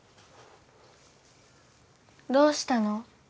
どうしたの？